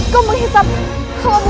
kau memulihkan halamurniku